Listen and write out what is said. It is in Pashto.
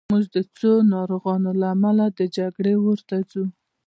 موږ د څو ناروغانو له امله د جګړې اور ته ځو